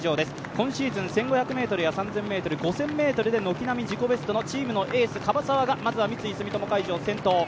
今シーズン１５００ｍや３０００ｍ、５０００ｍで軒並み自己ベストのチームのエース、樺沢和佳奈がまずは三井住友海上、先頭。